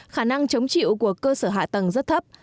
khả năng chống chịu của cơ sở hạ tầng rất thấp